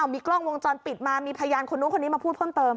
มีกล้องวงจรปิดมามีพยานคนนู้นคนนี้มาพูดเพิ่มเติม